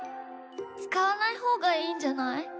つかわないほうがいいんじゃない？